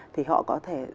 thì họ có thể